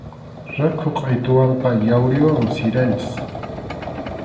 Rakhu qʼaytuwanqa yawriwanmi siranchik.